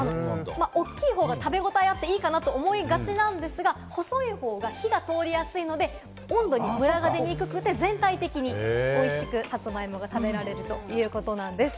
大きい方が食べごたえがあっていいかなと思いがちなんですが、細い方が火が通りやすいので、温度にむらが出にくくて全体的においしくさつまいもが食べられるということなんです。